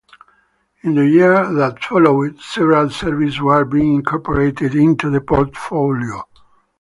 In the years that followed, several services were being incorporated into the portfolio.